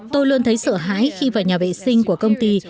tôi luôn thấy sợ hãi khi vào nhà vệ sinh của công ty